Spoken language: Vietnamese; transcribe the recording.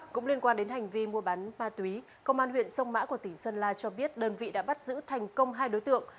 cũng liên quan đến hành vi mua bán ma túy công an huyện sông mã của tỉnh sơn la cho biết đơn vị đã bắt giữ thành công hai đối tượng